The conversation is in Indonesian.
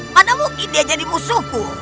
mana mungkin dia jadi musuhku